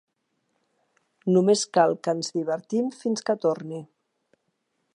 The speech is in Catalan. Només cal que ens divertim fins que torni.